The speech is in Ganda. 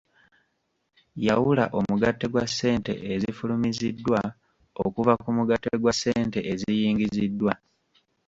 Yawula omugatte gwa ssente ezifulumiziddwa okuva ku mugatte gwa ssente eziyingiziddwa.